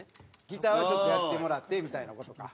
ギターはちょっとやってもらってみたいな事か。